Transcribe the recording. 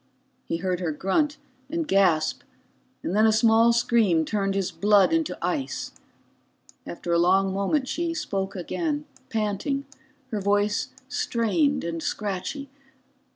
He heard her grunt and gasp, and then a small scream turned his blood into ice. After a long moment she spoke again, panting, her voice strained and scratchy.